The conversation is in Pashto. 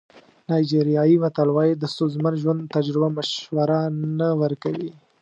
نایجیریایي متل وایي د ستونزمن ژوند تجربه مشوره نه ورکوي.